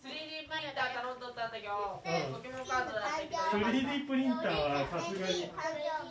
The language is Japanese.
３Ｄプリンターはさすがに。